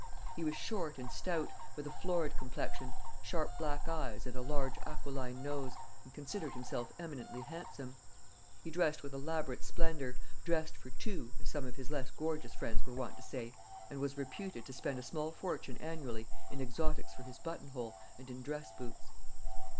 He was short and stout, with a florid complexion, sharp black eyes, and a large aquiline nose, and considered himself eminently handsome. He dressed with elaborate splendour "dressed for two," as some of his less gorgeous friends were wont to say and was reputed to spend a small fortune annually in exotics for his buttonhole, and in dress boots.